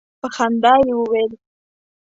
په خندا یې وویل.